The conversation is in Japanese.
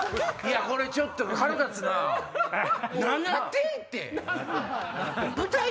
これちょっと腹立つなぁ７点って！